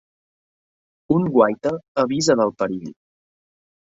Un guaita avisa del perill.